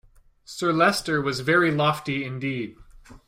Sir Leicester was very lofty indeed.